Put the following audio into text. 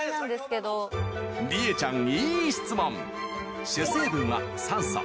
里英ちゃんいい質問！